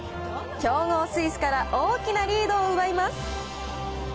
強豪、スイスから大きなリードを奪います。